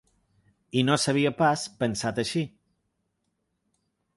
I no s’havia pas pensat així.